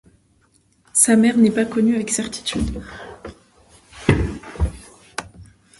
Sa mère n'est pas connue avec certitude.